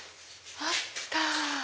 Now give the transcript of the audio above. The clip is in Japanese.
あった。